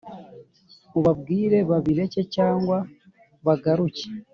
Ubabwire babireke cg bagaruke